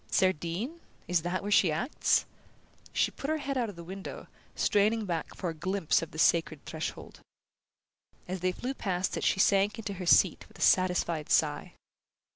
"Cerdine? Is that where she acts?" She put her head out of the window, straining back for a glimpse of the sacred threshold. As they flew past it she sank into her seat with a satisfied sigh.